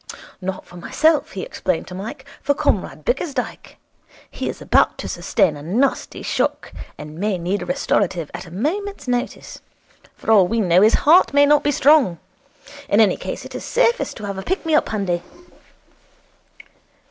'Not for myself,' he explained to Mike. 'For Comrade Bickersdyke. He is about to sustain a nasty shock, and may need a restorative at a moment's notice. For all we know, his heart may not be strong. In any case, it is safest to have a pick me up handy.'